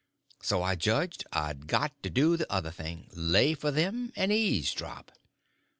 So I judged I'd got to do the other thing—lay for them and eavesdrop.